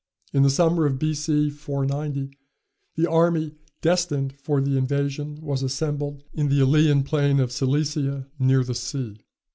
In the summer of B.C. 490, the army destined for the invasion was assembled in the Aleian plain of Cilicia, near the sea.